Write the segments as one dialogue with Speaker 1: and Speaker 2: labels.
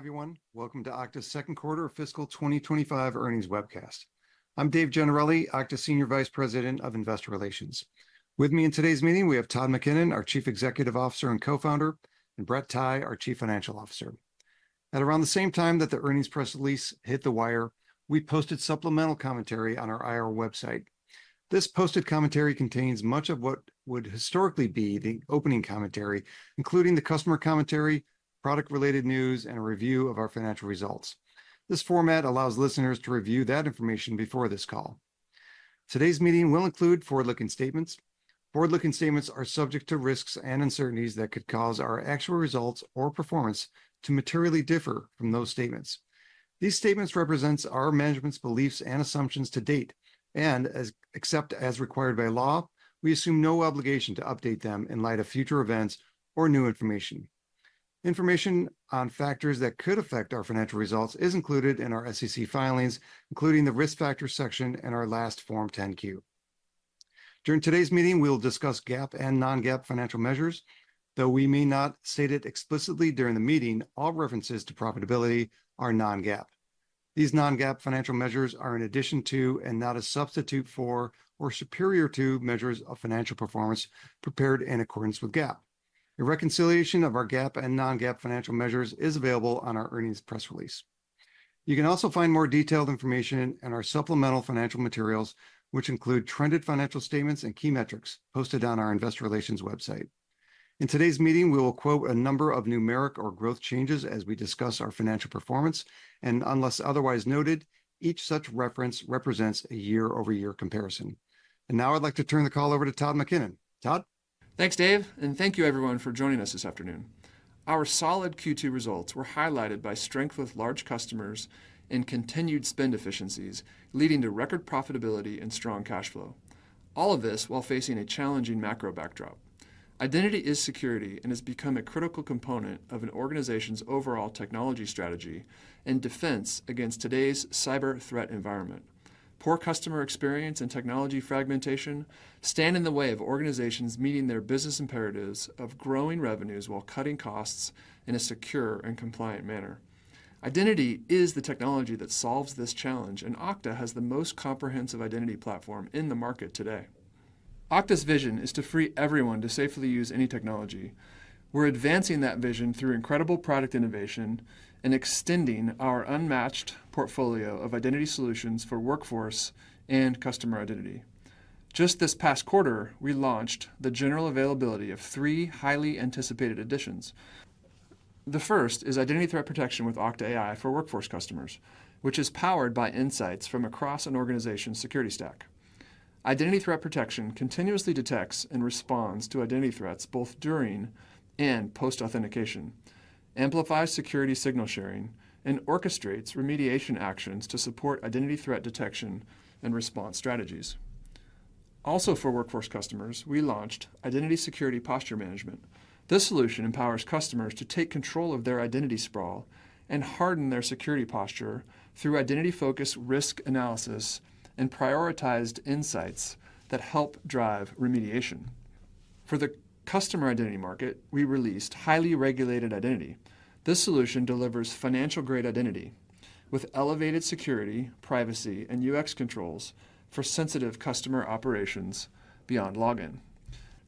Speaker 1: Hi, everyone. Welcome to Okta's Second Quarter Fiscal 2025 Earnings Webcast. I'm Dave Gennarelli, Okta Senior Vice President of Investor Relations. With me in today's meeting, we have Todd McKinnon, our Chief Executive Officer and Co-Founder, and Brett Tighe, our Chief Financial Officer. At around the same time that the earnings press release hit the wire, we posted supplemental commentary on our IR website. This posted commentary contains much of what would historically be the opening commentary, including the customer commentary, product-related news, and a review of our financial results. This format allows listeners to review that information before this call. Today's meeting will include forward-looking statements. Forward-looking statements are subject to risks and uncertainties that could cause our actual results or performance to materially differ from those statements. These statements represent our management's beliefs and assumptions to date, and, except as required by law, we assume no obligation to update them in light of future events or new information. Information on factors that could affect our financial results is included in our SEC filings, including the Risk Factors section in our last Form 10-Q. During today's meeting, we'll discuss GAAP and non-GAAP financial measures. Though we may not state it explicitly during the meeting, all references to profitability are non-GAAP. These non-GAAP financial measures are in addition to, and not a substitute for, or superior to, measures of financial performance prepared in accordance with GAAP. A reconciliation of our GAAP and non-GAAP financial measures is available on our earnings press release. You can also find more detailed information in our supplemental financial materials, which include trended financial statements and key metrics posted on our investor relations website. In today's meeting, we will quote a number of numeric or growth changes as we discuss our financial performance, and unless otherwise noted, each such reference represents a year-over-year comparison. And now I'd like to turn the call over to Todd McKinnon. Todd?
Speaker 2: Thanks, Dave, and thank you everyone for joining us this afternoon. Our solid Q2 results were highlighted by strength with large customers and continued spend efficiencies, leading to record profitability and strong cash flow. All of this while facing a challenging macro backdrop. Identity is security and has become a critical component of an organization's overall technology strategy and defense against today's cyber threat environment. Poor customer experience and technology fragmentation stand in the way of organizations meeting their business imperatives of growing revenues while cutting costs in a secure and compliant manner. Identity is the technology that solves this challenge, and Okta has the most comprehensive identity platform in the market today. Okta's vision is to free everyone to safely use any technology. We're advancing that vision through incredible product innovation and extending our unmatched portfolio of identity solutions for workforce and customer identity. Just this past quarter, we launched the general availability of three highly anticipated additions. The first is Identity Threat Protection with Okta AI for Workforce customers, which is powered by insights from across an organization's security stack. Identity Threat Protection continuously detects and responds to identity threats, both during and post-authentication, amplifies security signal sharing, and orchestrates remediation actions to support identity threat detection and response strategies. Also, for Workforce customers, we launched Identity Security Posture Management. This solution empowers customers to take control of their identity sprawl and harden their security posture through identity-focused risk analysis and prioritized insights that help drive remediation. For the customer identity market, we released Highly Regulated Identity. This solution delivers financial-grade identity with elevated security, privacy, and UX controls for sensitive customer operations beyond login.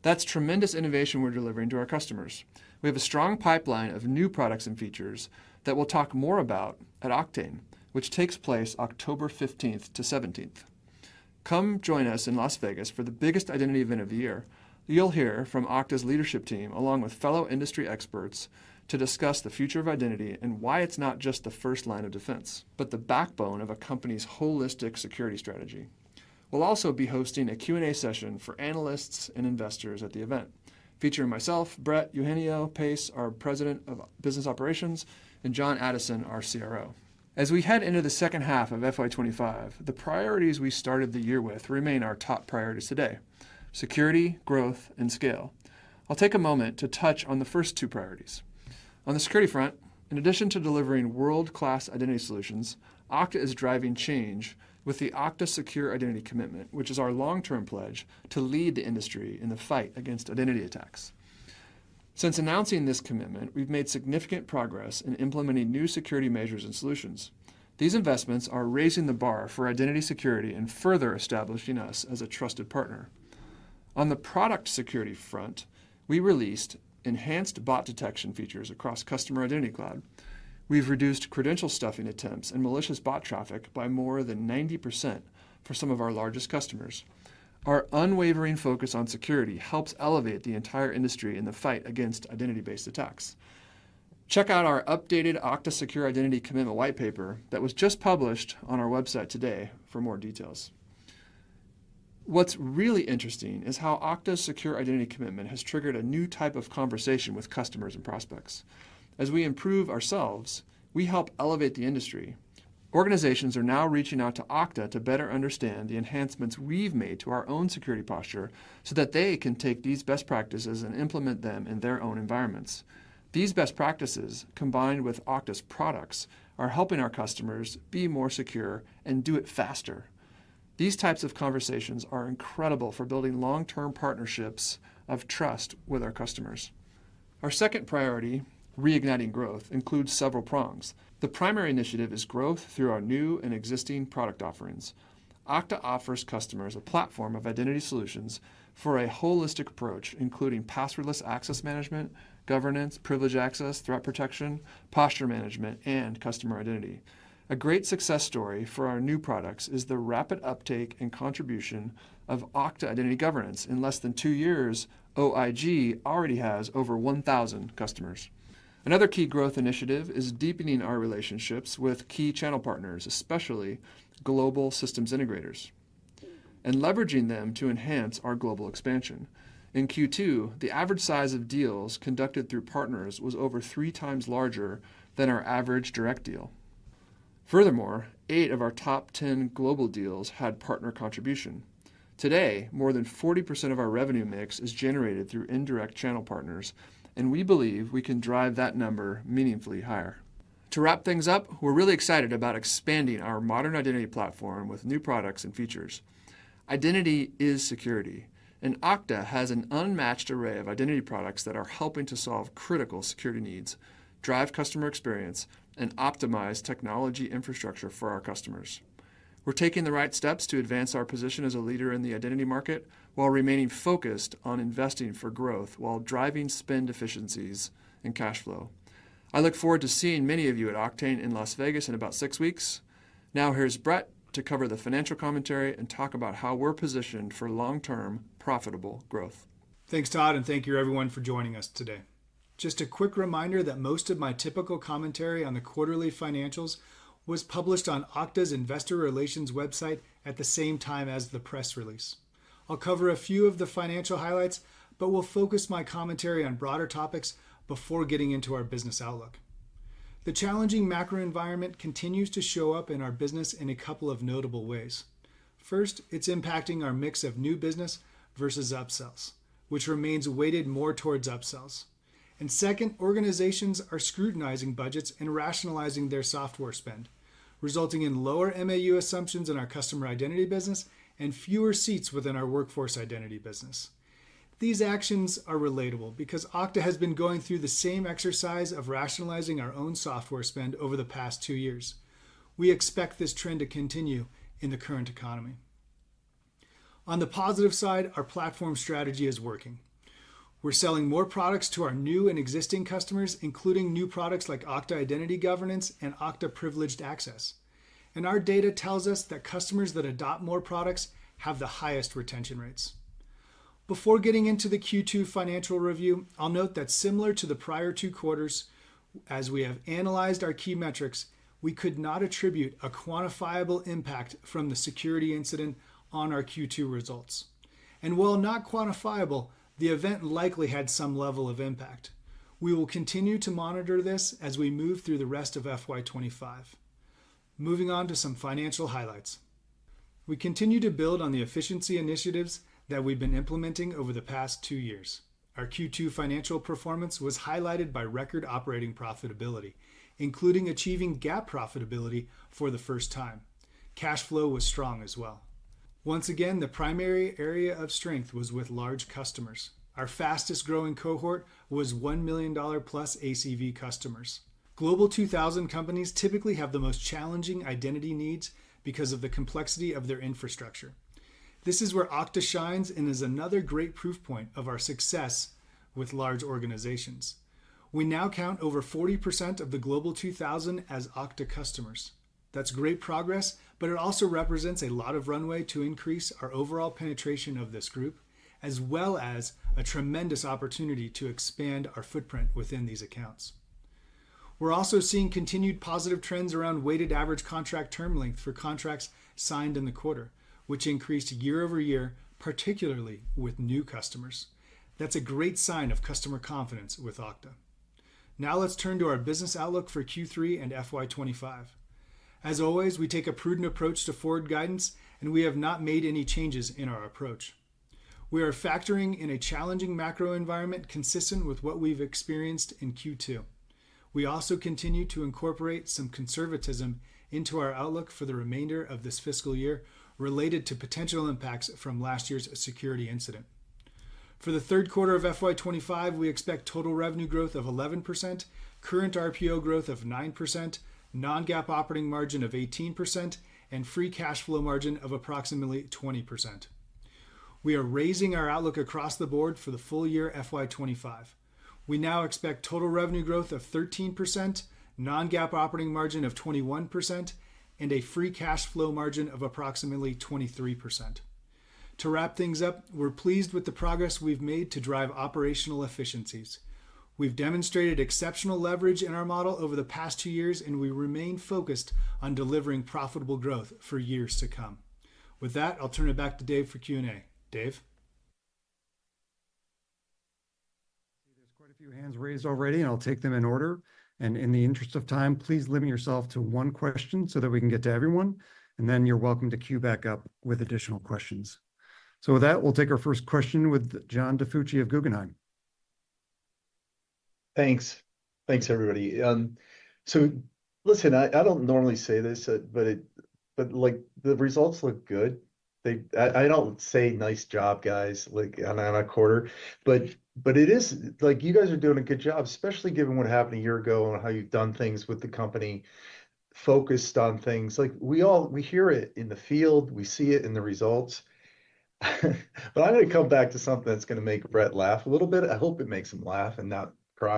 Speaker 2: That's tremendous innovation we're delivering to our customers. We have a strong pipeline of new products and features that we'll talk more about at Oktane, which takes place October 15th-17th. Come join us in Las Vegas for the biggest identity event of the year. You'll hear from Okta's leadership team, along with fellow industry experts, to discuss the future of identity and why it's not just the first line of defense, but the backbone of a company's holistic security strategy. We'll also be hosting a Q&A session for analysts and investors at the event, featuring myself, Brett, Eugenio Pace, our President of Business Operations, and Jon Addison, our CRO. As we head into the second half of FY 2025, the priorities we started the year with remain our top priorities today: security, growth, and scale. I'll take a moment to touch on the first two priorities. On the security front, in addition to delivering world-class identity solutions, Okta is driving change with the Okta Secure Identity Commitment, which is our long-term pledge to lead the industry in the fight against identity attacks. Since announcing this commitment, we've made significant progress in implementing new security measures and solutions. These investments are raising the bar for identity security and further establishing us as a trusted partner. On the product security front, we released enhanced bot detection features across Customer Identity Cloud. We've reduced credential stuffing attempts and malicious bot traffic by more than 90% for some of our largest customers. Our unwavering focus on security helps elevate the entire industry in the fight against identity-based attacks. Check out our updated Okta Secure Identity Commitment white paper that was just published on our website today for more details. What's really interesting is how Okta's Secure Identity Commitment has triggered a new type of conversation with customers and prospects. As we improve ourselves, we help elevate the industry. Organizations are now reaching out to Okta to better understand the enhancements we've made to our own security posture so that they can take these best practices and implement them in their own environments. These best practices, combined with Okta's products, are helping our customers be more secure and do it faster. These types of conversations are incredible for building long-term partnerships of trust with our customers. Our second priority, reigniting growth, includes several prongs. The primary initiative is growth through our new and existing product offerings. Okta offers customers a platform of identity solutions for a holistic approach, including passwordless access management, governance, privileged access, threat protection, posture management, and customer identity. A great success story for our new products is the rapid uptake and contribution of Okta Identity Governance. In less than two years, OIG already has over 1,000 customers. Another key growth initiative is deepening our relationships with key channel partners, especially global systems integrators, and leveraging them to enhance our global expansion. In Q2, the average size of deals conducted through partners was over three times larger than our average direct deal. Furthermore, eight of our top 10 global deals had partner contribution. Today, more than 40% of our revenue mix is generated through indirect channel partners, and we believe we can drive that number meaningfully higher. To wrap things up, we're really excited about expanding our modern identity platform with new products and features. Identity is security, and Okta has an unmatched array of identity products that are helping to solve critical security needs, drive customer experience, and optimize technology infrastructure for our customers. We're taking the right steps to advance our position as a leader in the identity market, while remaining focused on investing for growth, while driving spend efficiencies and cash flow. I look forward to seeing many of you at Oktane in Las Vegas in about six weeks. Now, here's Brett to cover the financial commentary and talk about how we're positioned for long-term, profitable growth.
Speaker 3: Thanks, Todd, and thank you, everyone, for joining us today. Just a quick reminder that most of my typical commentary on the quarterly financials was published on Okta's Investor Relations website at the same time as the press release. I'll cover a few of the financial highlights, but will focus my commentary on broader topics before getting into our business outlook. The challenging macro environment continues to show up in our business in a couple of notable ways. First, it's impacting our mix of new business versus upsells, which remains weighted more towards upsells. And second, organizations are scrutinizing budgets and rationalizing their software spend, resulting in lower MAU assumptions in our customer identity business and fewer seats within our workforce identity business. These actions are relatable because Okta has been going through the same exercise of rationalizing our own software spend over the past two years. We expect this trend to continue in the current economy. On the positive side, our platform strategy is working. We're selling more products to our new and existing customers, including new products like Okta Identity Governance and Okta Privileged Access, and our data tells us that customers that adopt more products have the highest retention rates. Before getting into the Q2 financial review, I'll note that similar to the prior two quarters, as we have analyzed our key metrics, we could not attribute a quantifiable impact from the security incident on our Q2 results, and while not quantifiable, the event likely had some level of impact. We will continue to monitor this as we move through the rest of FY 2025. Moving on to some financial highlights. We continue to build on the efficiency initiatives that we've been implementing over the past two years. Our Q2 financial performance was highlighted by record operating profitability, including achieving GAAP profitability for the first time. Cash flow was strong as well. Once again, the primary area of strength was with large customers. Our fastest-growing cohort was $1 million dollar plus ACV customers. Global 2000 companies typically have the most challenging identity needs because of the complexity of their infrastructure. This is where Okta shines and is another great proof point of our success with large organizations. We now count over 40% of the Global 2000 as Okta customers. That's great progress, but it also represents a lot of runway to increase our overall penetration of this group, as well as a tremendous opportunity to expand our footprint within these accounts. We're also seeing continued positive trends around weighted average contract term length for contracts signed in the quarter, which increased year-over-year, particularly with new customers. That's a great sign of customer confidence with Okta. Now, let's turn to our business outlook for Q3 and FY 2025. As always, we take a prudent approach to forward guidance, and we have not made any changes in our approach. We are factoring in a challenging macro environment consistent with what we've experienced in Q2. We also continue to incorporate some conservatism into our outlook for the remainder of this fiscal year related to potential impacts from last year's security incident. For the third quarter of FY 2025, we expect total revenue growth of 11%, current RPO growth of 9%, non-GAAP operating margin of 18%, and free cash flow margin of approximately 20%. We are raising our outlook across the board for the full year FY 2025. We now expect total revenue growth of 13%, non-GAAP operating margin of 21%, and a free cash flow margin of approximately 23%. To wrap things up, we're pleased with the progress we've made to drive operational efficiencies. We've demonstrated exceptional leverage in our model over the past two years, and we remain focused on delivering profitable growth for years to come. With that, I'll turn it back to Dave for Q&A. Dave?
Speaker 1: There's quite a few hands raised already, and I'll take them in order. And in the interest of time, please limit yourself to one question so that we can get to everyone, and then you're welcome to queue back up with additional questions. So with that, we'll take our first question with John DiFucci of Guggenheim. ...
Speaker 4: Thanks. Thanks, everybody. So listen, I don't normally say this, but, like, the results look good. They. I don't say, "Nice job, guys," like, on a quarter, but it is. Like, you guys are doing a good job, especially given what happened a year ago and how you've done things with the company, focused on things. Like, we all hear it in the field, we see it in the results. But I'm gonna come back to something that's gonna make Brett laugh a little bit. I hope it makes him laugh and not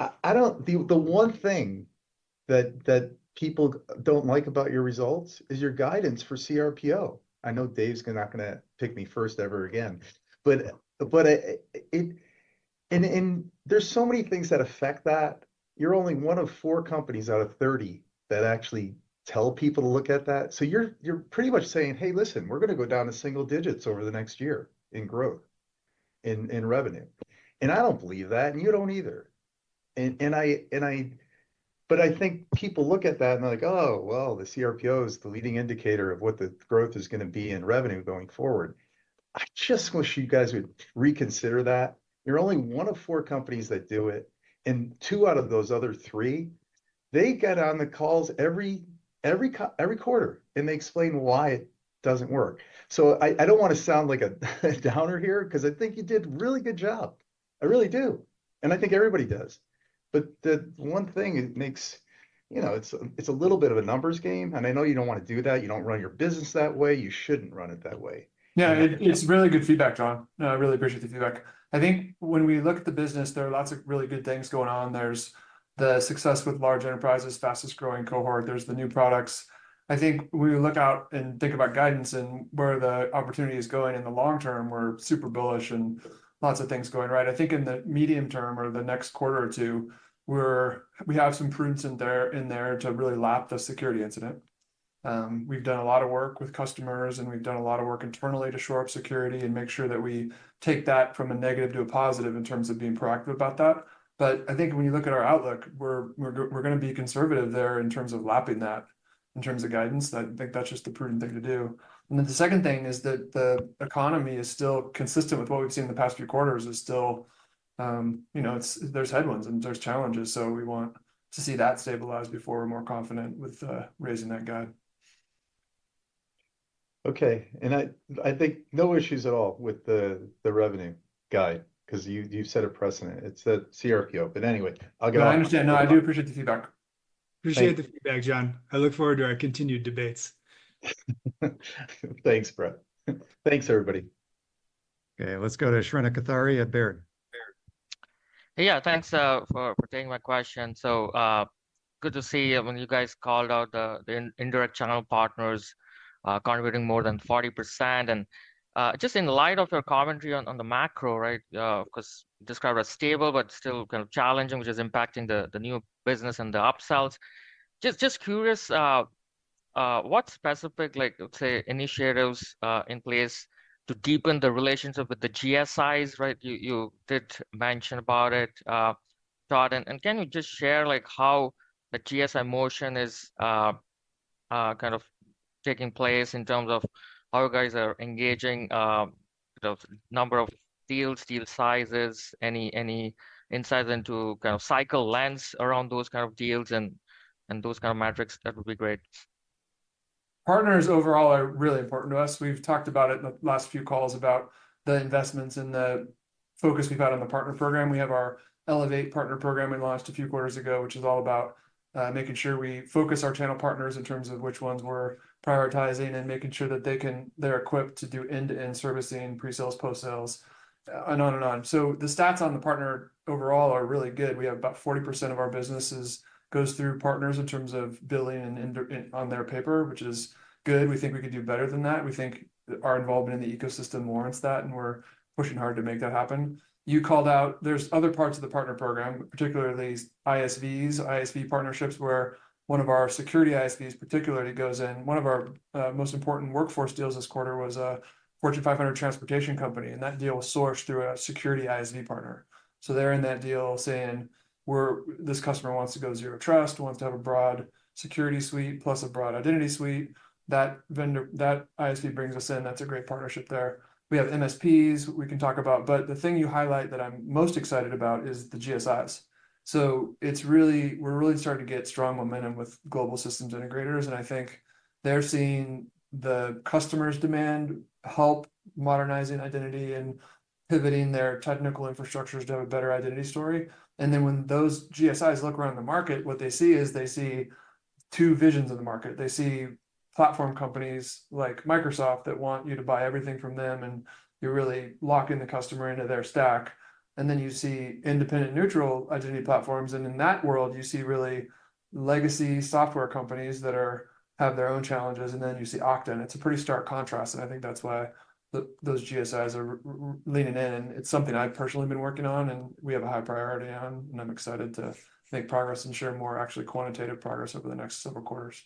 Speaker 4: cry. I don't. The one thing that people don't like about your results is your guidance for cRPO. I know Dave's gonna not gonna pick me first ever again, but it. And there's so many things that affect that. You're only one of four companies out of 30 that actually tell people to look at that. So you're pretty much saying, "Hey, listen, we're gonna go down to single digits over the next year in growth, in revenue." And I don't believe that, and you don't either. But I think people look at that and they're like, "Oh, well, the cRPO is the leading indicator of what the growth is gonna be in revenue going forward." I just wish you guys would reconsider that. You're only one of four companies that do it, and two out of those other three, they get on the calls every quarter, and they explain why it doesn't work. So I don't wanna sound like a downer here, 'cause I think you did a really good job. I really do, and I think everybody does. But the one thing it makes, you know, it's a little bit of a numbers game, and I know you don't wanna do that. You don't run your business that way. You shouldn't run it that way.
Speaker 2: Yeah, it's really good feedback, John. I really appreciate the feedback. I think when we look at the business, there are lots of really good things going on. There's the success with large enterprises, fastest-growing cohort, there's the new products. I think when we look out and think about guidance and where the opportunity is going in the long term, we're super bullish and lots of things going right. I think in the medium term or the next quarter or two, we have some prunes in there to really lap the security incident. We've done a lot of work with customers, and we've done a lot of work internally to shore up security and make sure that we take that from a negative to a positive in terms of being proactive about that. But I think when you look at our outlook, we're gonna be conservative there in terms of lapping that, in terms of guidance. I think that's just the prudent thing to do. And then the second thing is that the economy is still consistent with what we've seen in the past few quarters, is still, you know, it's, there's headwinds and there's challenges, so we want to see that stabilized before we're more confident with raising that guide.
Speaker 4: Okay, and I think no issues at all with the revenue guide, 'cause you set a precedent. It's the cRPO. But anyway, I'll get on-
Speaker 2: No, I understand. No, I do appreciate the feedback.
Speaker 3: Appreciate the feedback, John. I look forward to our continued debates.
Speaker 4: Thanks, Brett. Thanks, everybody.
Speaker 1: Okay, let's go to Shrenik Kothari at Baird.
Speaker 5: Yeah, thanks for taking my question. So, good to see you when you guys called out the indirect channel partners contributing more than 40%. And, just in light of your commentary on the macro, right? 'Cause described as stable but still kind of challenging, which is impacting the new business and the upsells. Just curious, what specific like, let's say, initiatives in place to deepen the relationship with the GSIs, right? You did mention about it, Todd. And, can you just share, like, how the GSI motion is kind of taking place in terms of how you guys are engaging, the number of deals, deal sizes, any insights into kind of cycle lengths around those kind of deals and those kind of metrics, that would be great.
Speaker 2: Partners overall are really important to us. We've talked about it in the last few calls, about the investments and the focus we've had on the partner program. We have our Elevate Partner Program we launched a few quarters ago, which is all about making sure we focus our channel partners in terms of which ones we're prioritizing, and making sure that they can they're equipped to do end-to-end servicing, pre-sales, post-sales, and on and on. So the stats on the partner overall are really good. We have about 40% of our businesses goes through partners in terms of billing and in on their paper, which is good. We think we can do better than that. We think our involvement in the ecosystem warrants that, and we're pushing hard to make that happen. You called out... There's other parts of the partner program, particularly ISVs, ISV partnerships, where one of our security ISVs particularly goes in. One of our most important workforce deals this quarter was a Fortune 500 transportation company, and that deal was sourced through a security ISV partner. So they're in that deal saying, "This customer wants to go Zero Trust, wants to have a broad security suite plus a broad identity suite." That vendor, that ISV brings us in. That's a great partnership there. We have MSPs we can talk about, but the thing you highlight that I'm most excited about is the GSIs. So it's really we're really starting to get strong momentum with global systems integrators, and I think they're seeing the customers demand help modernizing identity and pivoting their technical infrastructure to have a better identity story. And then when those GSIs look around the market, what they see is they see two visions of the market. They see platform companies like Microsoft that want you to buy everything from them, and you're really locking the customer into their stack. And then you see independent, neutral identity platforms, and in that world, you see really legacy software companies that have their own challenges, and then you see Okta, and it's a pretty stark contrast, and I think that's why those GSIs are leaning in. And it's something I've personally been working on, and we have a high priority on, and I'm excited to make progress and share more actually quantitative progress over the next several quarters.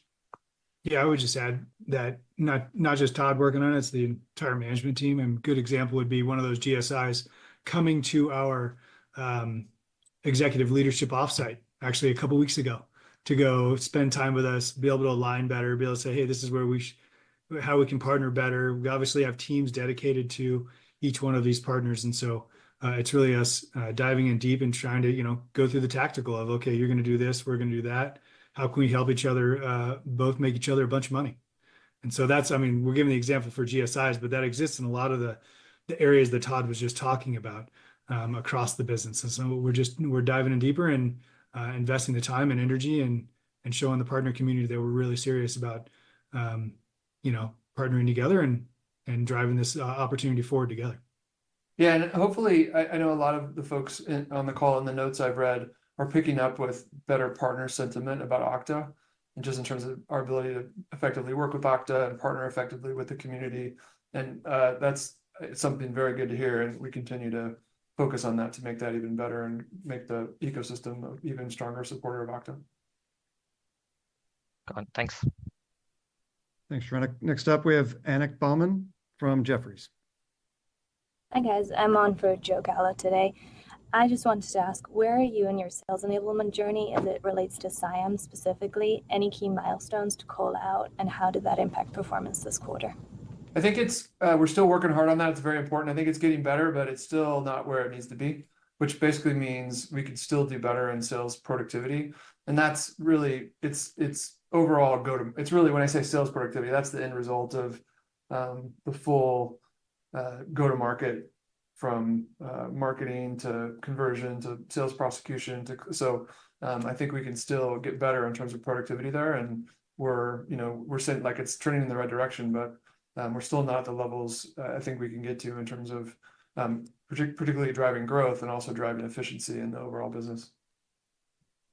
Speaker 3: Yeah, I would just add that not just Todd working on it, it's the entire management team. And a good example would be one of those GSIs coming to our executive leadership offsite actually a couple of weeks ago, to go spend time with us, be able to align better, be able to say, "Hey, this is where we how we can partner better. We obviously have teams dedicated to each one of these partners, and so it's really us diving in deep and trying to, you know, go through the tactical of, "Okay, you're gonna do this, we're gonna do that. How can we help each other both make each other a bunch of money?" And so that's, I mean, we're giving the example for GSIs, but that exists in a lot of the areas that Todd was just talking about across the business. And so we're just diving in deeper and investing the time and energy and showing the partner community that we're really serious about, you know, partnering together and driving this opportunity forward together.
Speaker 2: Yeah, and hopefully, I know a lot of the folks in on the call, in the notes I've read, are picking up with better partner sentiment about Okta, and just in terms of our ability to effectively work with Okta and partner effectively with the community, and that's something very good to hear, and we continue to focus on that to make that even better and make the ecosystem an even stronger supporter of Okta.
Speaker 5: Thanks.
Speaker 1: Thanks, Shrenik. Next up, we have Annick Baumann from Jefferies.
Speaker 6: Hi, guys. I'm on for Joe Gallo today. I just wanted to ask, where are you in your sales enablement journey as it relates to CIAM specifically? Any key milestones to call out, and how did that impact performance this quarter?
Speaker 2: I think it's we're still working hard on that. It's very important. I think it's getting better, but it's still not where it needs to be, which basically means we could still do better in sales productivity, and that's really it's overall go-to-market. It's really when I say sales productivity, that's the end result of the full go-to-market from marketing to conversion to sales execution. So I think we can still get better in terms of productivity there, and we're, you know, saying, like, it's trending in the right direction, but we're still not at the levels I think we can get to in terms of particularly driving growth and also driving efficiency in the overall business.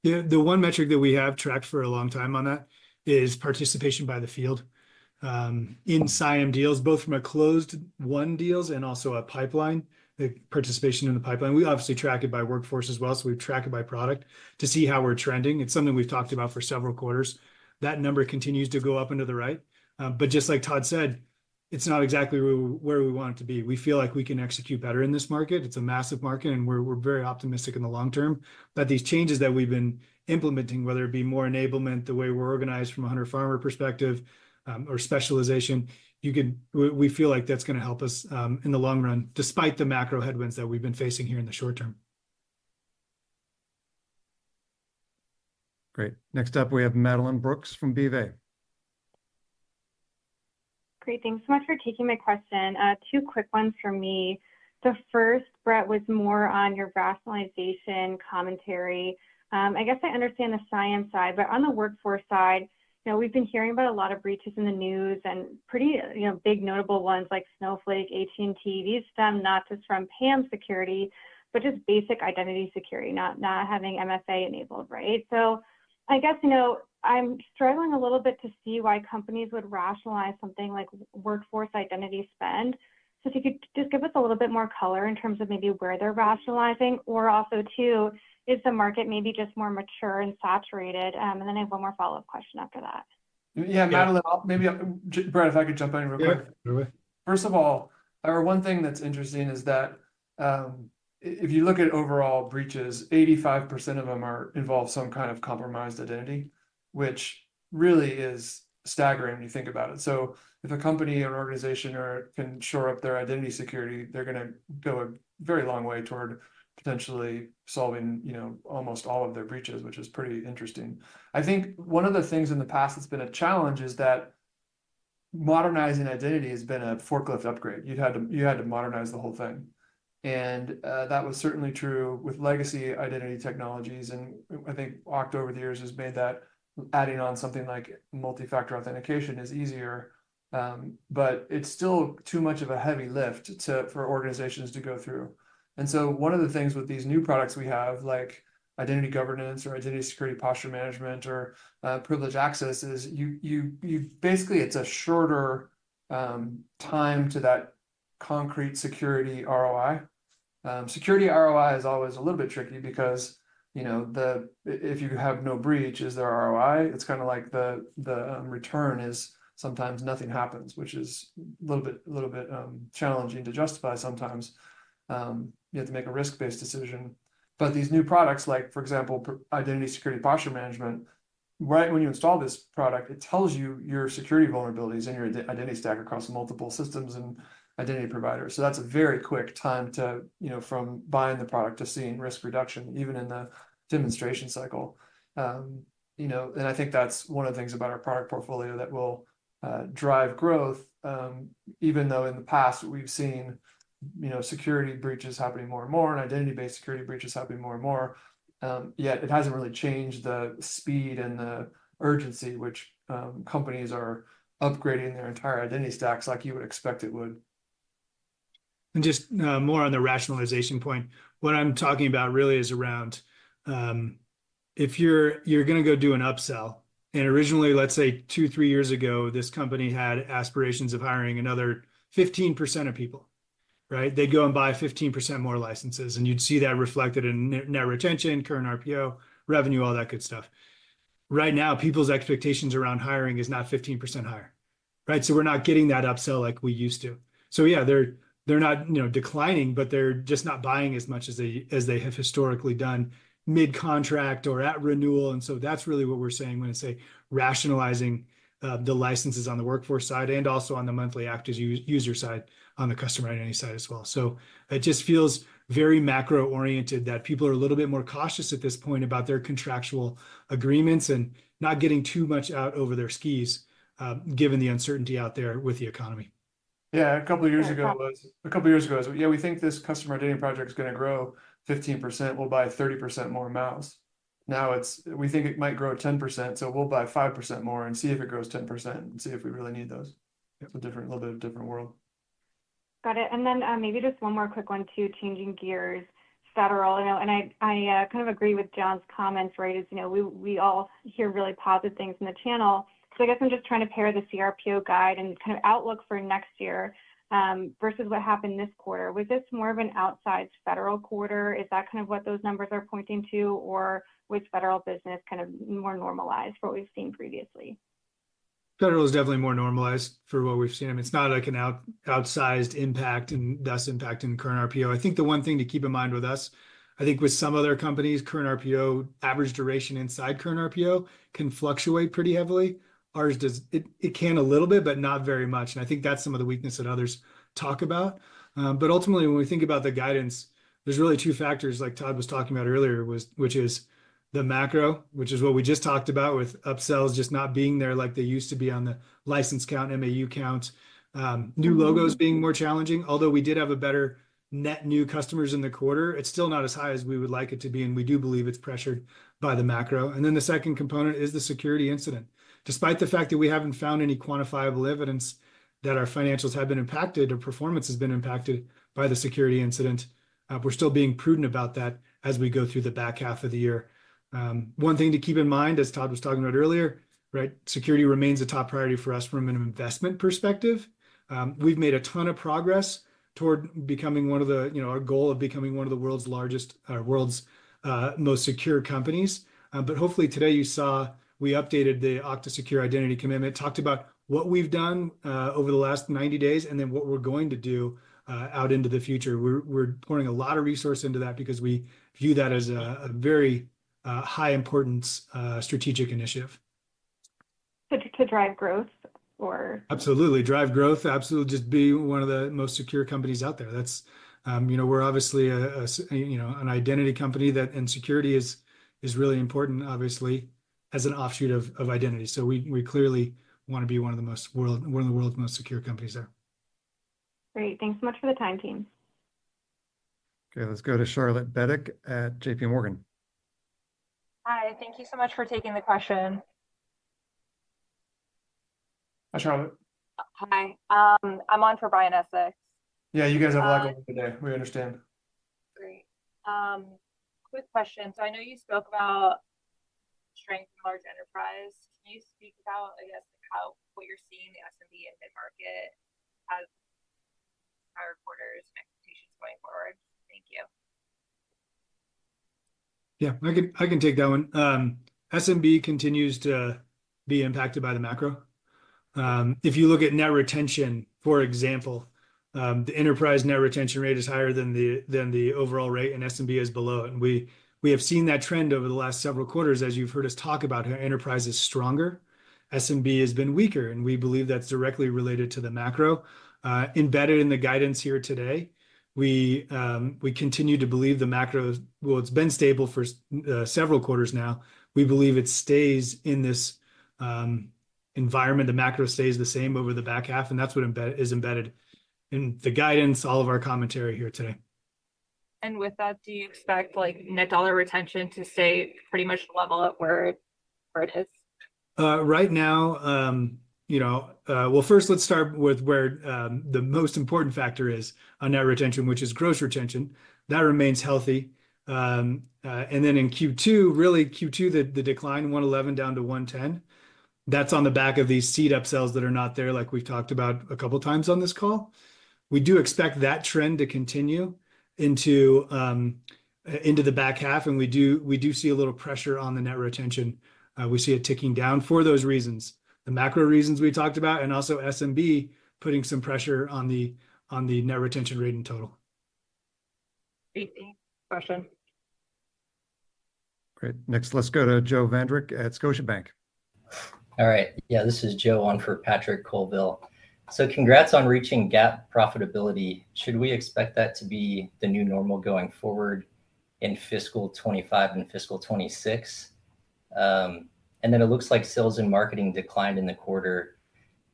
Speaker 3: Yeah, the one metric that we have tracked for a long time on that is participation by the field in CIAM deals, both from a closed won deals and also a pipeline, the participation in the pipeline. We obviously track it by workforce as well, so we track it by product to see how we're trending. It's something we've talked about for several quarters. That number continues to go up and to the right. But just like Todd said, it's not exactly where we want it to be. We feel like we can execute better in this market. It's a massive market, and we're very optimistic in the long term. But these changes that we've been implementing, whether it be more enablement, the way we're organized from a hunter-farmer perspective, or specialization, we feel like that's gonna help us in the long run, despite the macro headwinds that we've been facing here in the short term.
Speaker 1: Great. Next up, we have Madeline Brooks from BofA.
Speaker 7: Great, thanks so much for taking my question. Two quick ones from me. The first, Brett, was more on your rationalization commentary. I guess I understand the CIAM side, but on the workforce side, you know, we've been hearing about a lot of breaches in the news and pretty, you know, big notable ones like Snowflake, AT&T. These stem not just from PAM security, but just basic identity security, not having MFA enabled, right? So I guess, you know, I'm struggling a little bit to see why companies would rationalize something like workforce identity spend. So if you could just give us a little bit more color in terms of maybe where they're rationalizing or also, too, is the market maybe just more mature and saturated? And then I have one more follow-up question after that.
Speaker 2: Yeah, Madeline, I'll maybe... Brett, if I could jump in real quick?
Speaker 3: Yeah. Do it.
Speaker 2: First of all, one thing that's interesting is that, if you look at overall breaches, 85% of them involve some kind of compromised identity, which really is staggering when you think about it. So if a company or organization can shore up their identity security, they're gonna go a very long way toward potentially solving, you know, almost all of their breaches, which is pretty interesting. I think one of the things in the past that's been a challenge is that modernizing identity has been a forklift upgrade. You had to modernize the whole thing, and that was certainly true with legacy identity technologies, and I think Okta, over the years, has made that adding on something like multi-factor authentication is easier. But it's still too much of a heavy lift for organizations to go through. And so one of the things with these new products we have, like identity governance or Identity Security Posture Management or privileged access, is you basically it's a shorter time to that concrete security ROI. Security ROI is always a little bit tricky because, you know, if you have no breach, is there ROI? It's kind of like the return is sometimes nothing happens, which is little bit challenging to justify sometimes. You have to make a risk-based decision. But these new products, like for example, Identity Security Posture Management, right when you install this product, it tells you your security vulnerabilities and your identity stack across multiple systems and identity providers. So that's a very quick time to, you know, from buying the product to seeing risk reduction, even in the demonstration cycle. You know, and I think that's one of the things about our product portfolio that will drive growth, even though in the past we've seen, you know, security breaches happening more and more, and identity-based security breaches happening more and more. Yet it hasn't really changed the speed and the urgency which companies are upgrading their entire identity stacks, like you would expect it would.
Speaker 3: And just more on the rationalization point, what I'm talking about really is around if you're, you're gonna go do an upsell, and originally, let's say two, three years ago, this company had aspirations of hiring another 15% of people, right? They'd go and buy 15% more licenses, and you'd see that reflected in net retention, current RPO, revenue, all that good stuff. Right now, people's expectations around hiring is not 15% higher. Right, so we're not getting that upsell like we used to. So yeah, they're not, you know, declining, but they're just not buying as much as they have historically done mid-contract or at renewal, and so that's really what we're saying when I say rationalizing the licenses on the workforce side and also on the monthly active user side, on the customer identity side as well. So it just feels very macro-oriented, that people are a little bit more cautious at this point about their contractual agreements and not getting too much out over their skis, given the uncertainty out there with the economy.
Speaker 2: Yeah, a couple of years ago-
Speaker 7: Yeah.
Speaker 2: A couple of years ago, yeah, we think this customer identity project is gonna grow 15%, we'll buy 30% more MAUs. Now, it's, we think it might grow 10%, so we'll buy 5% more and see if it grows 10% and see if we really need those. It's a different, little bit of different world.
Speaker 7: Got it. And then, maybe just one more quick one, too, changing gears. Federal, I know - and I kind of agree with John's comments, right, as you know, we all hear really positive things in the channel. So I guess I'm just trying to pair the cRPO guide and kind of outlook for next year versus what happened this quarter. Was this more of an outsized federal quarter? Is that kind of what those numbers are pointing to, or was federal business kind of more normalized from what we've seen previously?
Speaker 3: Federal is definitely more normalized for what we've seen. I mean, it's not like an outsized impact and thus impact in current RPO. I think the one thing to keep in mind with us, I think with some other companies, current RPO, average duration inside current RPO can fluctuate pretty heavily. Ours does. It can a little bit, but not very much, and I think that's some of the weakness that others talk about. But ultimately, when we think about the guidance, there's really two factors, like Todd was talking about earlier, which is the macro, which is what we just talked about, with upsells just not being there like they used to be on the license count, MAU count. New logos being more challenging, although we did have a better net new customers in the quarter, it's still not as high as we would like it to be, and we do believe it's pressured by the macro, and then the second component is the security incident. Despite the fact that we haven't found any quantifiable evidence that our financials have been impacted or performance has been impacted by the security incident, we're still being prudent about that as we go through the back half of the year. One thing to keep in mind, as Todd was talking about earlier, right, security remains a top priority for us from an investment perspective. We've made a ton of progress toward becoming one of the, you know, our goal of becoming one of the world's largest, world's most secure companies. But hopefully today you saw, we updated the Okta Secure Identity Commitment, talked about what we've done over the last ninety days, and then what we're going to do out into the future. We're pouring a lot of resource into that because we view that as a very high importance strategic initiative.
Speaker 7: So to drive growth, or?
Speaker 3: Absolutely. Drive growth, absolutely, just be one of the most secure companies out there. That's, you know, we're obviously a, you know, an identity company that, and security is really important, obviously, as an offshoot of identity. So we clearly want to be one of the world's most secure companies there.
Speaker 7: Great. Thanks so much for the time, team.
Speaker 1: Okay, let's go to Charlotte Bedick at JPMorgan.
Speaker 8: Hi, thank you so much for taking the question.
Speaker 2: Hi, Charlotte.
Speaker 8: Hi, I'm on for Brian Essex.
Speaker 2: Yeah, you guys have a lot going today.
Speaker 8: Um-
Speaker 2: We understand.
Speaker 8: Great. Quick question. So I know you spoke about strength in large enterprise. Can you speak about, I guess, how, what you're seeing in the SMB and mid-market as our quarters and expectations going forward? Thank you.
Speaker 3: Yeah, I can take that one. SMB continues to be impacted by the macro. If you look at net retention, for example, the enterprise net retention rate is higher than the overall rate, and SMB is below it. We have seen that trend over the last several quarters, as you've heard us talk about how enterprise is stronger, SMB has been weaker, and we believe that's directly related to the macro. Embedded in the guidance here today, we continue to believe the macro. Well, it's been stable for several quarters now. We believe it stays in this environment, the macro stays the same over the back half, and that's what is embedded in the guidance, all of our commentary here today.
Speaker 8: With that, do you expect, like, net dollar retention to stay pretty much level at where it is?
Speaker 3: Right now, you know, well, first, let's start with where the most important factor is on net retention, which is gross retention. That remains healthy, and then in Q2, really Q2, the decline, 111 down to 110, that's on the back of these seat upsells that are not there, like we've talked about a couple times on this call. We do expect that trend to continue into the back half, and we do, we do see a little pressure on the net retention. We see it ticking down for those reasons. The macro reasons we talked about, and also SMB putting some pressure on the net retention rate in total.
Speaker 8: Great. Thank you, question.
Speaker 1: Great. Next, let's go to Joe Vandrick at Scotiabank.
Speaker 9: All right. Yeah, this is Joe, on for Patrick Colville. So congrats on reaching GAAP profitability. Should we expect that to be the new normal going forward in fiscal 2025 and fiscal 2026? And then it looks like sales and marketing declined in the quarter.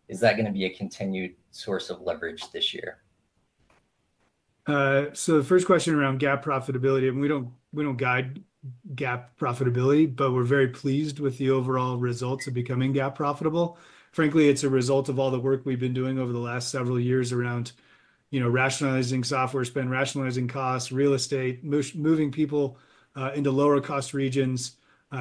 Speaker 9: Is that gonna be a continued source of leverage this year?
Speaker 3: So the first question around GAAP profitability, and we don't, we don't guide GAAP profitability, but we're very pleased with the overall results of becoming GAAP profitable. Frankly, it's a result of all the work we've been doing over the last several years around, you know, rationalizing software spend, rationalizing costs, real estate, moving people into lower cost regions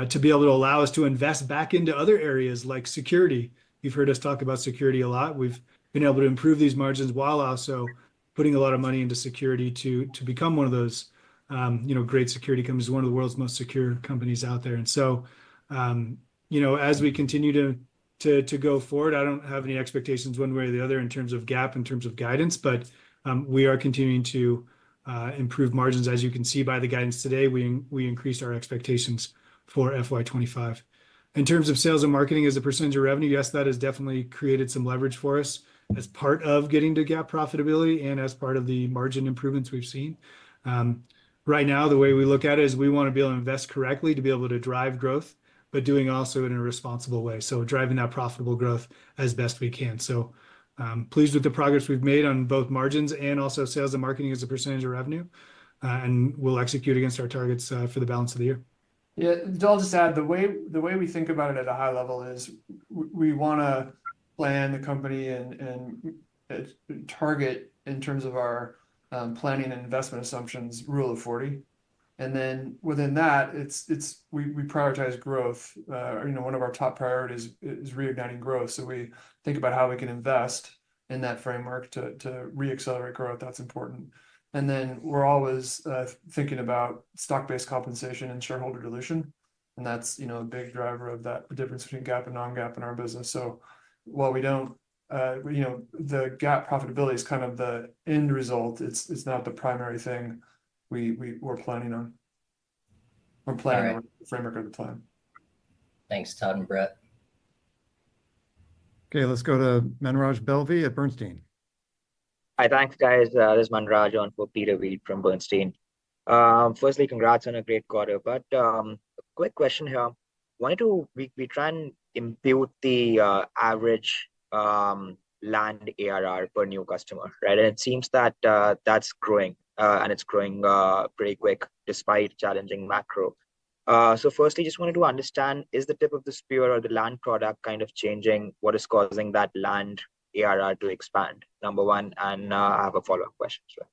Speaker 3: to be able to allow us to invest back into other areas like security. You've heard us talk about security a lot. We've been able to improve these margins while also putting a lot of money into security to become one of those, you know, great security companies, one of the world's most secure companies out there. And so, you know, as we continue to-... To go forward, I don't have any expectations one way or the other in terms of GAAP, in terms of guidance. But we are continuing to improve margins. As you can see by the guidance today, we increased our expectations for FY 2025. In terms of sales and marketing as a percentage of revenue, yes, that has definitely created some leverage for us as part of getting to GAAP profitability and as part of the margin improvements we've seen. Right now, the way we look at it is we want to be able to invest correctly, to be able to drive growth, but doing also in a responsible way, so driving that profitable growth as best we can. So, I'm pleased with the progress we've made on both margins and also sales and marketing as a percentage of revenue. And we'll execute against our targets for the balance of the year.
Speaker 2: Yeah. I'll just add, the way we think about it at a high level is we want to land the company and target in terms of our planning and investment assumptions, Rule of 40. And then within that, it's we prioritize growth. You know, one of our top priorities is reigniting growth. So we think about how we can invest in that framework to re-accelerate growth. That's important. And then we're always thinking about stock-based compensation and shareholder dilution. And that's, you know, a big driver of that, the difference between GAAP and non-GAAP in our business. So while we don't, you know, the GAAP profitability is kind of the end result, it's not the primary thing we're planning on. We're planning-
Speaker 9: All right
Speaker 2: The framework at the time.
Speaker 9: Thanks, Todd and Brett.
Speaker 1: Okay, let's go to Manraj Bevli at Bernstein.
Speaker 10: Hi. Thanks, guys. This is Manraj on for Peter Weed from Bernstein. Firstly, congrats on a great quarter, but a quick question here. I wanted to try and impute the average land ARR per new customer, right? And it seems that that's growing and it's growing pretty quick, despite challenging macro. So firstly, just wanted to understand, is the tip of the spear or the land product kind of changing what is causing that land ARR to expand? Number one, and I have a follow-up question as well.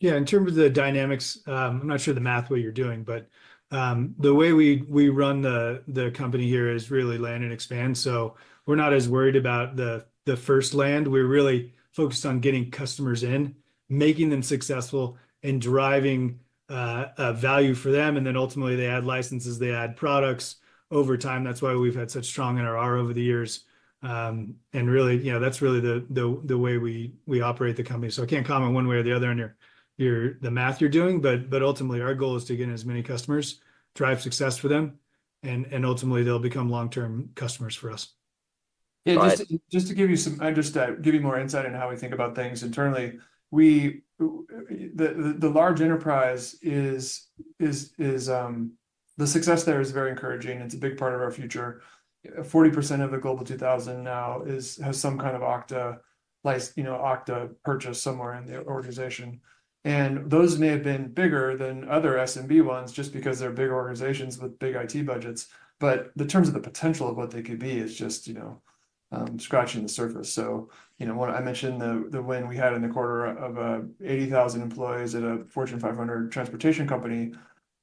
Speaker 3: Yeah, in terms of the dynamics, I'm not sure the math what you're doing, but the way we run the company here is really land and expand. So we're not as worried about the first land. We're really focused on getting customers in, making them successful and driving value for them, and then ultimately they add licenses, they add products over time. That's why we've had such strong NRR over the years. And really, you know, that's really the way we operate the company. So I can't comment one way or the other on the math you're doing, but ultimately our goal is to get as many customers, drive success for them, and ultimately they'll become long-term customers for us.
Speaker 2: Yeah, just to give you some... just to give you more insight on how we think about things internally, the large enterprise is the success there is very encouraging. It's a big part of our future. 40% of the Global 2000 now has some kind of Okta purchase somewhere in the organization. And those may have been bigger than other SMB ones just because they're big organizations with big IT budgets. But the terms of the potential of what they could be is just, you know, scratching the surface. So, you know, when I mentioned the win we had in the quarter of 80,000 employees at a Fortune 500 transportation company,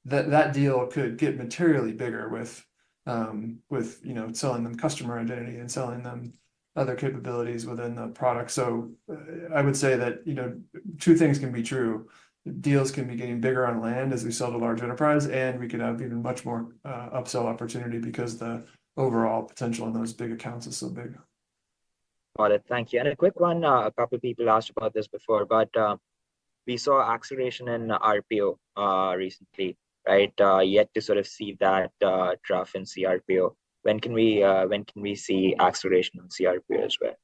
Speaker 2: that deal could get materially bigger with, you know, selling them customer identity and selling them other capabilities within the product. So I would say that, you know, two things can be true. Deals can be getting bigger on land as we sell to large enterprise, and we could have even much more upsell opportunity because the overall potential in those big accounts is so big.
Speaker 10: Got it. Thank you. And a quick one, a couple of people asked about this before, but, we saw acceleration in RPO, recently, right? Yet to sort of see that drop in cRPO. When can we see acceleration on cRPO as well?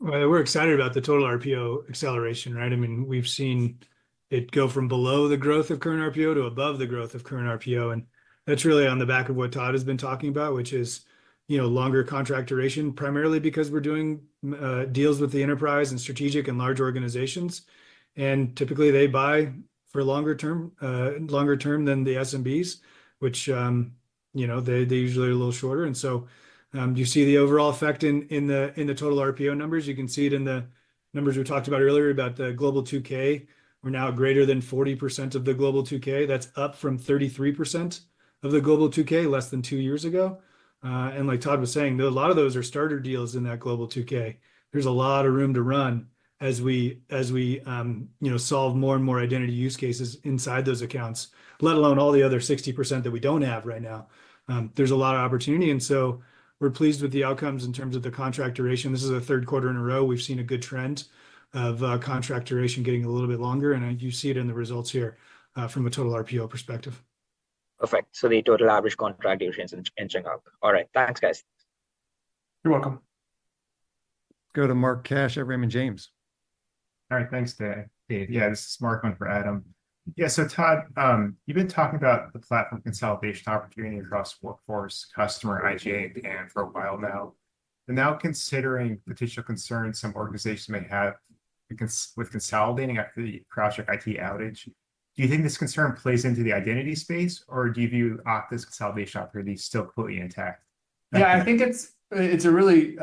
Speaker 3: We're excited about the total RPO acceleration, right? I mean, we've seen it go from below the growth of current RPO to above the growth of current RPO, and that's really on the back of what Todd has been talking about, which is, you know, longer contract duration, primarily because we're doing deals with the enterprise and strategic and large organizations. And typically, they buy for longer term, longer term than the SMBs, which, you know, they usually are a little shorter. And so, you see the overall effect in the total RPO numbers. You can see it in the numbers we talked about earlier about the Global 2000. We're now greater than 40% of the Global 2000. That's up from 33% of the Global 2000, less than two years ago. And like Todd was saying, a lot of those are starter deals in that Global 2000. There's a lot of room to run as we, you know, solve more and more identity use cases inside those accounts, let alone all the other 60% that we don't have right now. There's a lot of opportunity, and so we're pleased with the outcomes in terms of the contract duration. This is the third quarter in a row we've seen a good trend of contract duration getting a little bit longer, and you see it in the results here from a total RPO perspective.
Speaker 10: Perfect. So the total average contract duration is changing up. All right. Thanks, guys.
Speaker 2: You're welcome.
Speaker 1: Go to Mark Cash at Raymond James.
Speaker 11: All right. Thanks, Dave. Yeah, this is Mark, on for Adam. Yeah, so Todd, you've been talking about the platform consolidation opportunity across Workforce, Customer, IGA, and for a while now. And now, considering potential concerns some organizations may have with consolidating after the CrowdStrike IT outage, do you think this concern plays into the identity space, or do you view Okta's consolidation opportunity still completely intact?
Speaker 2: Yeah, I think it's a really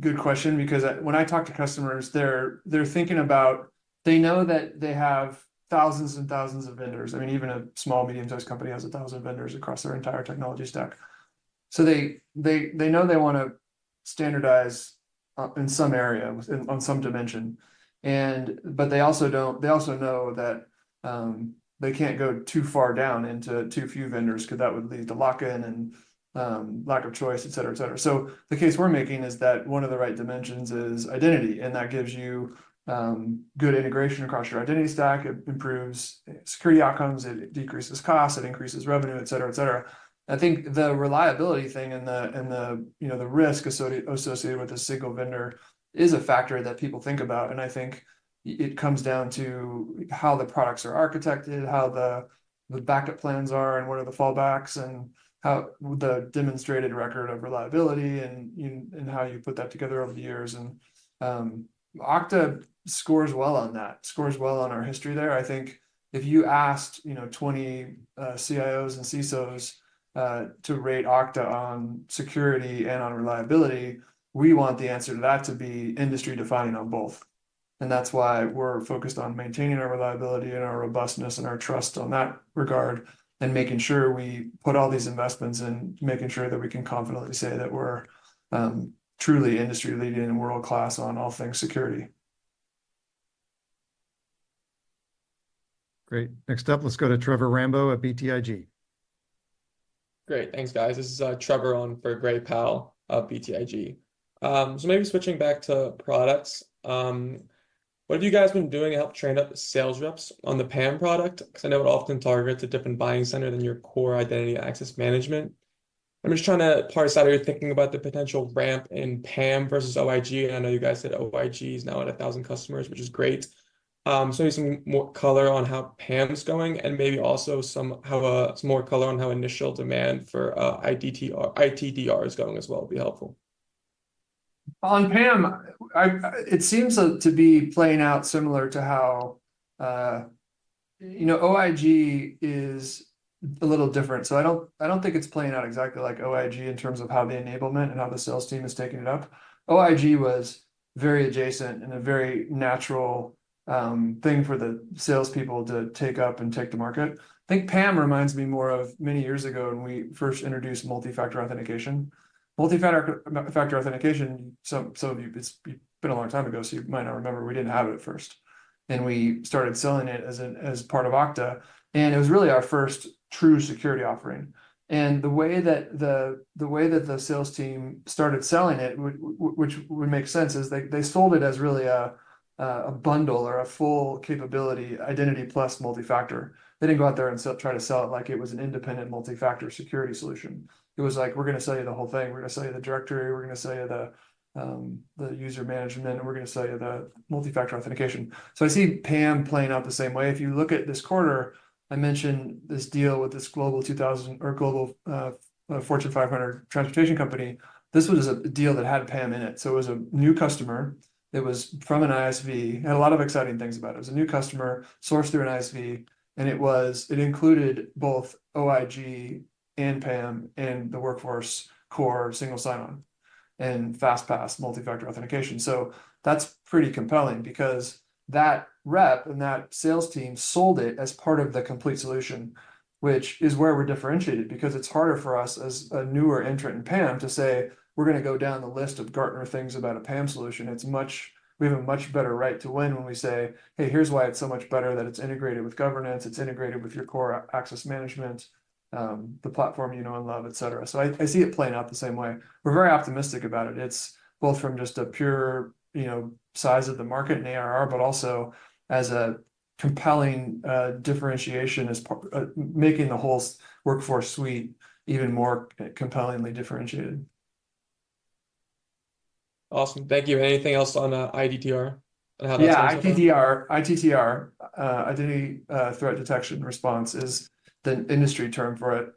Speaker 2: good question because when I talk to customers, they're thinking about. They know that they have thousands and thousands of vendors. I mean, even a small, medium-sized company has a thousand vendors across their entire technology stack. So they know they wanna standardize in some area, on some dimension, but they also know that they can't go too far down into too few vendors, 'cause that would lead to lock-in and lack of choice, et cetera, et cetera. So the case we're making is that one of the right dimensions is identity, and that gives you good integration across your identity stack. It improves security outcomes, it decreases costs, it increases revenue, et cetera, et cetera. I think the reliability thing and the, you know, the risk associated with a single vendor is a factor that people think about, and I think it comes down to how the products are architected, how the backup plans are, and what are the fallbacks, and how the demonstrated record of reliability and how you put that together over the years. Okta scores well on that, scores well on our history there. I think if you asked, you know, 20 CIOs and CSOs to rate Okta on security and on reliability, we want the answer to that to be industry-defining on both. That's why we're focused on maintaining our reliability and our robustness and our trust on that regard, and making sure we put all these investments in making sure that we can confidently say that we're truly industry-leading and world-class on all things security.
Speaker 1: Great. Next up, let's go to Trevor Rambo at BTIG.
Speaker 12: Great. Thanks, guys. This is, Trevor on for Gray Powell of BTIG. So maybe switching back to products, what have you guys been doing to help train up the sales reps on the PAM product? 'Cause I know it would often target a different buying center than your core identity access management. I'm just trying to parse out your thinking about the potential ramp in PAM versus OIG. I know you guys said OIG is now at 1,000 customers, which is great. So maybe some more color on how PAM is going, and maybe also some more color on how initial demand for ITDR is going as well would be helpful.
Speaker 2: On PAM, it seems to be playing out similar to how, you know, OIG is a little different. So I don't think it's playing out exactly like OIG in terms of how the enablement and how the sales team is taking it up. OIG was very adjacent and a very natural thing for the salespeople to take up and take to market. I think PAM reminds me more of many years ago when we first introduced multi-factor authentication. Multi-factor authentication, some of you, it's been a long time ago, so you might not remember. We didn't have it at first, then we started selling it as a part of Okta, and it was really our first true security offering. The way that the sales team started selling it, which would make sense, is they sold it as really a bundle or a full capability, identity plus multi-factor. They didn't go out there and sell, try to sell it like it was an independent multi-factor security solution. It was like: We're gonna sell you the whole thing. We're gonna sell you the directory, we're gonna sell you the user management, and we're gonna sell you the multi-factor authentication. So I see PAM playing out the same way. If you look at this quarter, I mentioned this deal with this Global 2000 or Fortune 500 transportation company. This one is a deal that had PAM in it, so it was a new customer. It was from an ISV, it had a lot of exciting things about it. It was a new customer, sourced through an ISV, and it was. It included both OIG and PAM and the Workforce Core single sign-on and FastPass multi-factor authentication. So that's pretty compelling because that rep and that sales team sold it as part of the complete solution, which is where we're differentiated, because it's harder for us as a newer entrant in PAM to say, "We're gonna go down the list of Gartner things about a PAM solution." It's we have a much better right to win when we say, "Hey, here's why it's so much better that it's integrated with governance, it's integrated with your core access management, the platform you know and love," et cetera. So I see it playing out the same way. We're very optimistic about it. It's both from just a pure, you know, size of the market in ARR, but also as a compelling differentiation as making the whole Workforce suite even more compellingly differentiated.
Speaker 12: Awesome. Thank you. Anything else on ITDR and how that's-
Speaker 2: Yeah, ITDR, Identity Threat Detection and Response is the industry term for it.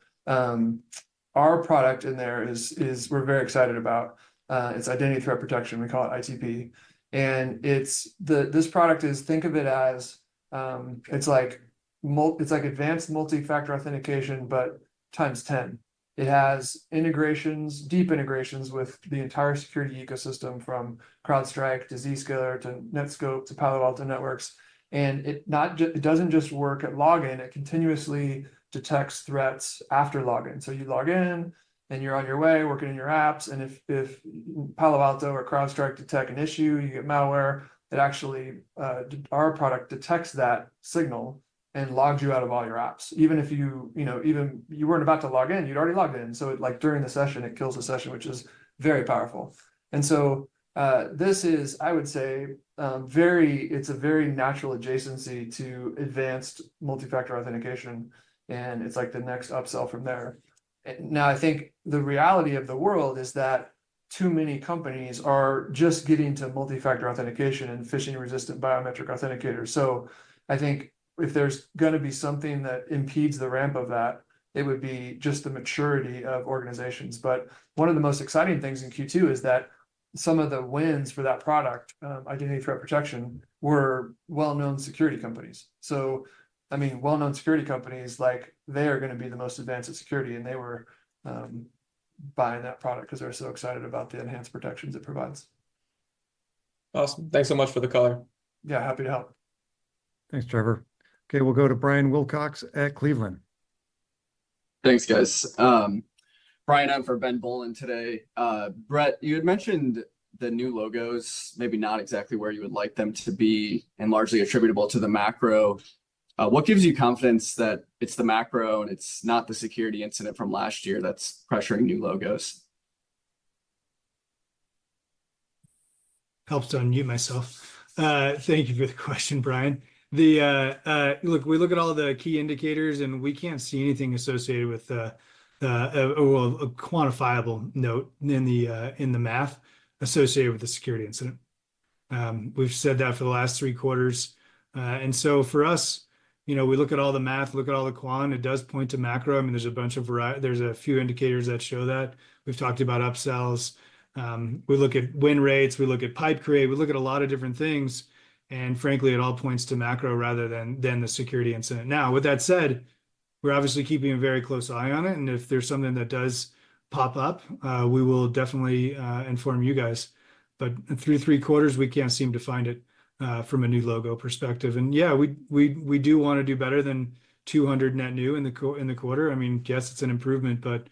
Speaker 2: Our product in there is, we're very excited about, it's Identity Threat Protection, we call it ITP, and it's the... This product is, think of it as, it's like advanced multi-factor authentication, but times ten. It has integrations, deep integrations with the entire security ecosystem, from CrowdStrike to Zscaler, to Netskope, to Palo Alto Networks. And it doesn't just work at login, it continuously detects threats after login. So you log in, and you're on your way, working in your apps, and if Palo Alto or CrowdStrike detect an issue, you get malware, it actually our product detects that signal and logs you out of all your apps. Even if you, you know, even you weren't about to log in, you'd already logged in, so it, like, during the session, it kills the session, which is very powerful, and so this is, I would say, very, it's a very natural adjacency to advanced multi-factor authentication, and it's like the next upsell from there. Now, I think the reality of the world is that too many companies are just getting to multi-factor authentication and phishing-resistant biometric authenticators, so I think if there's gonna be something that impedes the ramp of that, it would be just the maturity of organizations, but one of the most exciting things in Q2 is that some of the wins for that product, Identity Threat Protection, were well-known security companies. So, I mean, well-known security companies, like, they are gonna be the most advanced in security, and they were buying that product 'cause they're so excited about the enhanced protections it provides....
Speaker 12: Awesome. Thanks so much for the call.
Speaker 2: Yeah, happy to help.
Speaker 1: Thanks, Trevor. Okay, we'll go to Brian Wilcox at Cleveland.
Speaker 13: Thanks, guys. Brian, I'm for Ben Boland today. Brett, you had mentioned the new logos, maybe not exactly where you would like them to be, and largely attributable to the macro. What gives you confidence that it's the macro, and it's not the security incident from last year that's pressuring new logos?
Speaker 3: Helps to unmute myself. Thank you for the question, Brian. Look, we look at all the key indicators, and we can't see anything associated with, well, a quantifiable note in the math associated with the security incident. We've said that for the last three quarters. So for us, you know, we look at all the math. It does point to macro. I mean, there's a few indicators that show that. We've talked about upsells. We look at win rates, we look at pipe create, we look at a lot of different things, and frankly, it all points to macro rather than the security incident. Now, with that said, we're obviously keeping a very close eye on it, and if there's something that does pop up, we will definitely inform you guys. But through three quarters, we can't seem to find it from a new logo perspective. And yeah, we do wanna do better than two hundred net new in the quarter. I mean, yes, it's an improvement, but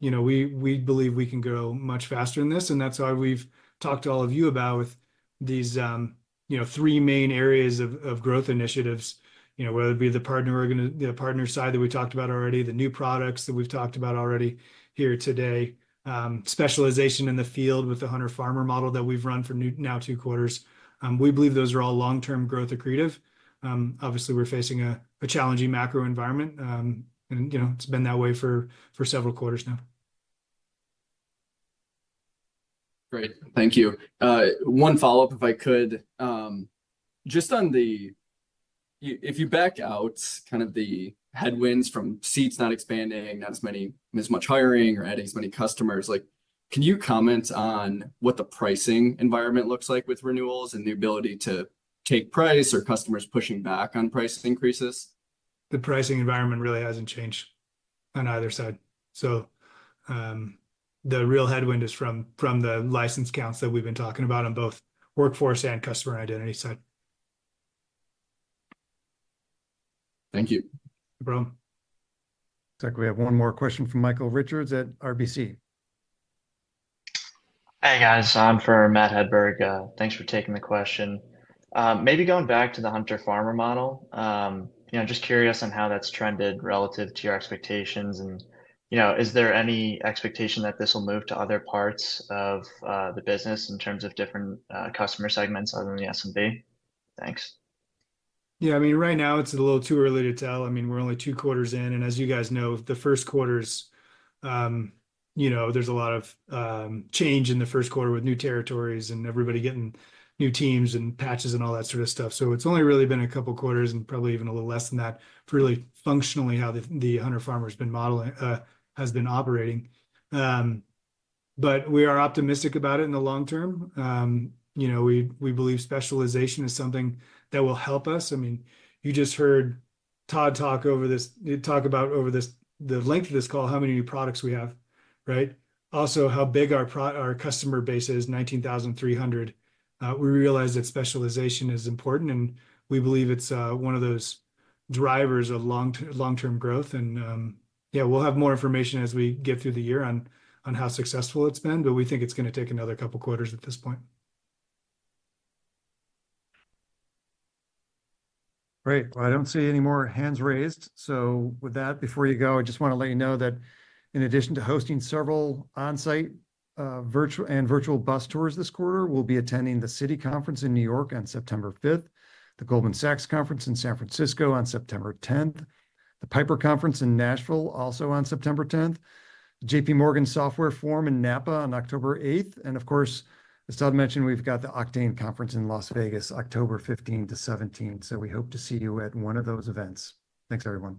Speaker 3: you know, we believe we can grow much faster than this, and that's why we've talked to all of you about with these, you know, three main areas of growth initiatives. You know, whether it be the partner side that we talked about already, the new products that we've talked about already here today, specialization in the field with the hunter/farmer model that we've run for now two quarters. We believe those are all long-term growth accretive. Obviously, we're facing a challenging macro environment, and you know, it's been that way for several quarters now.
Speaker 13: Great. Thank you. One follow-up, if I could. Just on the, if you back out kind of the headwinds from seats not expanding, not as many, as much hiring or adding as many customers, like, can you comment on what the pricing environment looks like with renewals and the ability to take price or customers pushing back on price increases?
Speaker 3: The pricing environment really hasn't changed on either side. So, the real headwind is from the license counts that we've been talking about on both workforce and customer identity side.
Speaker 13: Thank you.
Speaker 3: No problem.
Speaker 1: Looks like we have one more question from Michael Richards at RBC.
Speaker 14: Hey, guys, I'm on for Matt Hedberg. Thanks for taking the question. Maybe going back to the hunter/farmer model, you know, just curious on how that's trended relative to your expectations, and, you know, is there any expectation that this will move to other parts of the business in terms of different customer segments other than the SMB? Thanks.
Speaker 3: Yeah, I mean, right now it's a little too early to tell. I mean, we're only two quarters in, and as you guys know, the first quarters, you know, there's a lot of, change in the first quarter with new territories and everybody getting new teams and patches and all that sort of stuff. So it's only really been a couple quarters, and probably even a little less than that, for really functionally how the, the hunter-farmer's been modeling, has been operating. But we are optimistic about it in the long term. You know, we, we believe specialization is something that will help us. I mean, you just heard Todd talk over this- talk about over this, the length of this call, how many new products we have, right? Also, how big our pro- our customer base is, 19,300. We realize that specialization is important, and we believe it's one of those drivers of long-term growth, and yeah, we'll have more information as we get through the year on how successful it's been, but we think it's gonna take another couple of quarters at this point.
Speaker 1: Great. Well, I don't see any more hands raised, so with that, before you go, I just wanna let you know that in addition to hosting several on-site, virtual, and virtual bus tours this quarter, we'll be attending the Citi conference in New York on September fifth, the Goldman Sachs conference in San Francisco on September 10th, the Piper conference in Nashville also on September 10th, JPMorgan Software forum in Napa on October 8th, and of course, as Todd mentioned, we've got the Oktane conference in Las Vegas, October 15-17. So we hope to see you at one of those events. Thanks, everyone.